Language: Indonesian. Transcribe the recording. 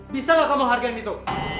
bisa nggak kamu hargain itu